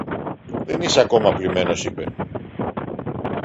Δεν είσαι ακόμα πλυμένος, είπε.